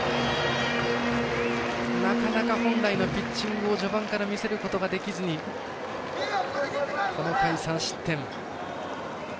なかなか、本来のピッチング序盤から見せることができずにこの回、３失点。